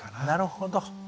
なるほど。